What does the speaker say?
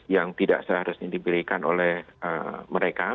yang tidak seharusnya diberikan oleh mereka